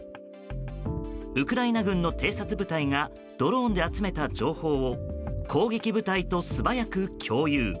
ウクライナ軍の偵察部隊がドローンで集めた情報を攻撃部隊と素早く共有。